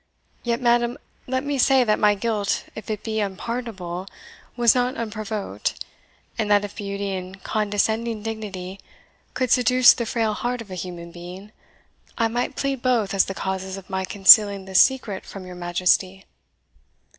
Yet, madam, let me say that my guilt, if it be unpardonable, was not unprovoked, and that if beauty and condescending dignity could seduce the frail heart of a human being, I might plead both as the causes of my concealing this secret from your Majesty."